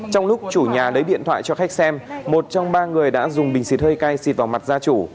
trong lúc chủ nhà lấy điện thoại cho khách xem một trong ba người đã dùng bình xịt hơi cay xịt vào mặt gia chủ